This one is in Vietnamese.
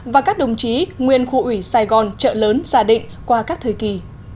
và các đồng chí nguyên khu ủy sài gòn trợ lớn gia định qua các thời kỳ